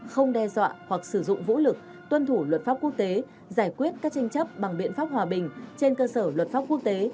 không đe dọa hoặc sử dụng vũ lực tuân thủ luật pháp quốc tế giải quyết các tranh chấp bằng biện pháp hòa bình trên cơ sở luật pháp quốc tế